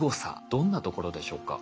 どんなところでしょうか？